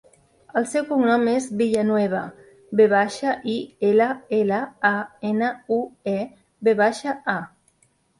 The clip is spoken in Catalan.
El seu cognom és Villanueva: ve baixa, i, ela, ela, a, ena, u, e, ve baixa, a.